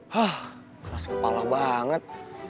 hah keras kepala banget